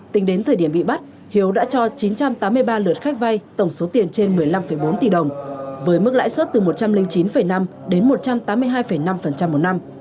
tính đến thời điểm bị bắt hiếu đã cho chín trăm tám mươi ba lượt khách vay tổng số tiền trên một mươi năm bốn tỷ đồng với mức lãi suất từ một trăm linh chín năm đến một trăm tám mươi hai năm một năm